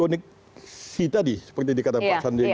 koneksi tadi seperti dikatakan pak sandiaga uno